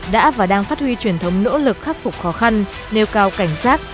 đã và đang phát huy truyền thống nỗ lực khắc phục khó khăn nêu cao cảnh giác